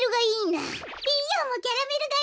ピーヨンもキャラメルがいい！